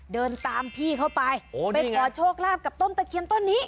เดินตามพี่เข้าไปไปขอโชคลาภกับต้นตะเคียนต้นนี้